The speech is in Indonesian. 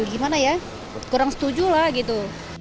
gimana ya kurang setuju lah gitu